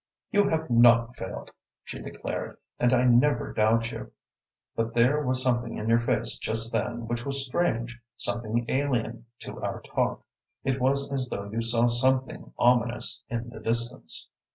"You have not failed," she declared, "and I never doubt you, but there was something in your face just then which was strange, something alien to our talk. It was as though you saw something ominous in the distance."